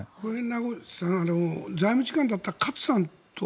名越さん財務次官だった勝さんと。